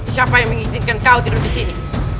siapa yang mengizinkan kau tidur di sini